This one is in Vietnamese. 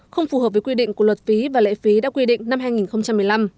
không phù hợp với quy định của luật phí và lệ phí đã quy định năm hai nghìn một mươi năm